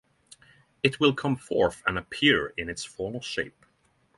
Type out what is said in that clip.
It will come forth and appear in its former shape.